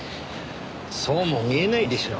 そうも見えないでしょう。